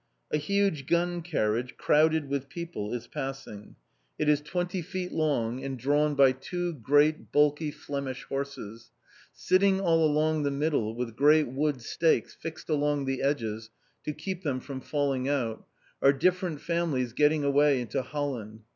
A huge gun carriage, crowded with people, is passing. It is twenty feet long, and drawn by two great, bulky Flemish horses. Sitting all along the middle, with great wood stakes fixed along the edges to keep them from falling out, are different families getting away into Holland.